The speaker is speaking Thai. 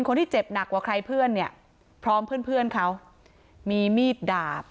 คนที่เจ็บหนักกว่าใครเพื่อนเนี่ยพร้อมเพื่อนเพื่อนเขามีมีดดาบ